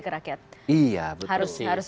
ke rakyat iya betul harus